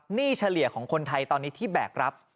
เฉลี่ยของคนไทยตอนนี้ที่แบกรับ